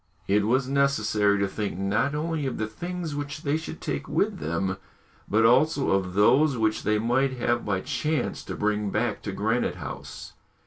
It was necessary to think not only of the things which they should take with them, but also of those which they might have by chance to bring back to Granite House.